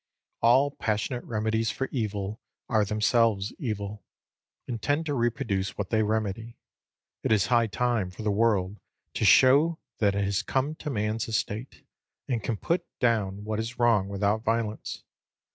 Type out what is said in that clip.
All passionate remedies for evil are themselves evil, and tend to re produce what they remedy. It is high time for the world to show that it has come to man's estate, and can put down what is wrong without violence.